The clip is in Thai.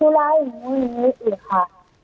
ผู้ร้ายหนูไม่มีอีกค่ะ